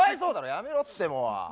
やめろってもう。